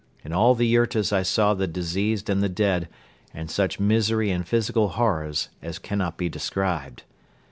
In all the yurtas I saw the diseased and the dead and such misery and physical horrors as cannot be described.